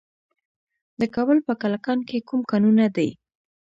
د کابل په کلکان کې کوم کانونه دي؟